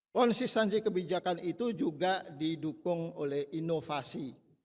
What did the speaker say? konsistensi kebijakan itu juga didukung oleh inovasi